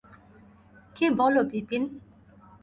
কী বল বিপিন?